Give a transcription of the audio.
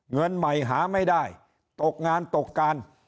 เงินใหม่หาไม่ได้ตกงานตกการ